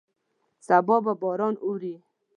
سبا به باران ووري.